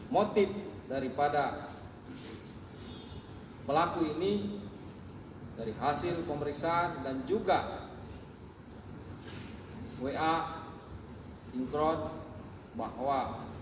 motif daripada pelaku ini dari hasil pemeriksaan dan juga wa sinkron bahwa